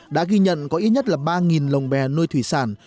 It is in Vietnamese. đã ghi nhận có ít nhất là ba lồng bè nuôi thủy sản